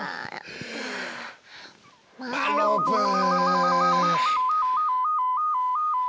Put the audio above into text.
マロブー！